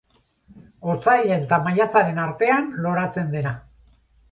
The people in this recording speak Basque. Otsail eta maiatzaren artean loratzen dena.